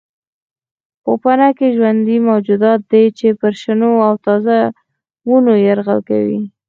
پوپنکي ژوندي موجودات دي چې پر شنو او تازه ونو یرغل کوي.